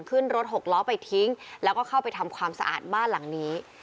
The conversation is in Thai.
ขึ้นรถหกล้อไปทิ้งแล้วก็เข้าไปทำความสะอาดบ้านหลังนี้